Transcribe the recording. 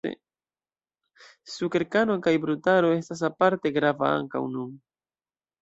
Sukerkano kaj brutaro estas aparte grava ankaŭ nun.